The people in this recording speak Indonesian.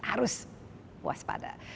harus puas pada